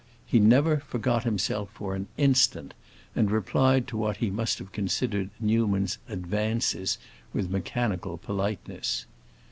He never forgot himself for an instant, and replied to what he must have considered Newman's "advances" with mechanical politeness.